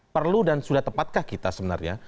perlu dan sudah tepatkah kita sebenarnya